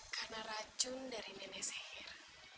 karena racun dari nenek seher